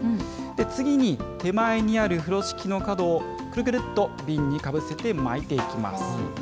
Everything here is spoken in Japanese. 次に手前にある風呂敷の角をくるくるっと瓶にかぶせて巻いていきます。